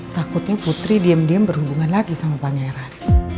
takutnya putri diem diem berhubungan lagi sama pangeran